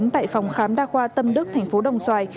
tại phòng khám đa khoa tâm đức thành phố đồng xoài